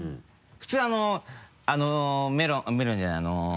普通あの「メロン」「メロン」じゃないあの。